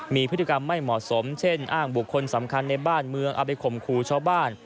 มีพฤติกรรมไม่เหมาะสมเช่นอ้างบุคคลสำคัญในบ้านเมืองเอาไปข่มขู่ชาวบ้าน